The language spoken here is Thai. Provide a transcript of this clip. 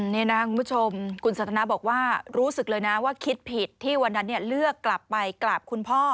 นี่นะคุณผู้ชมคุณสันทนาบอกว่ารู้สึกเลยนะว่าคิดผิดที่วันนั้นเลือกกลับไปกราบคุณพ่อ